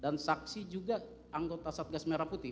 dan saksi juga anggota kasatgas merah putih